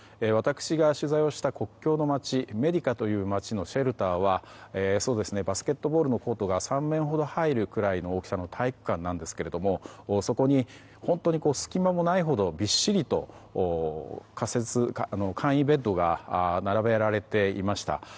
私が取材をした国境の街メディカという街のシェルターはバスケットボールのコートが３面ほど入るくらいの大きさの体育館なんですがそこに本当に隙間もないほどびっしりと簡易ベッドが並べられていました。